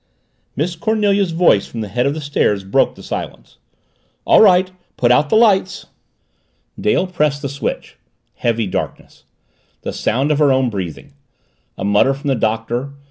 Miss Cornelia's voice from the head of the stairs broke the silence. "All right! Put out the lights!" Dale pressed the switch. Heavy darkness. The sound of her own breathing. A mutter from the Doctor.